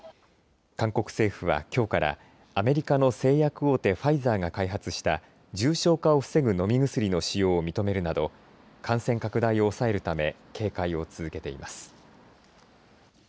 韓国政府はきょうからアメリカの製薬大手、ファイザーが開発した重症化を防ぐ飲み薬の使用を認めるなど感染拡大を抑えるため警戒を続けています。